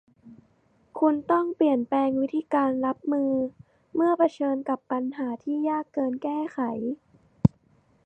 คุณต้องเปลี่ยนแปลงวิธีการรับมือเมื่อเผชิญกับปัญหาที่ยากเกินแก้ไข